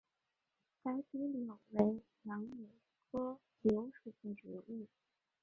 白皮柳为杨柳科柳属的植物。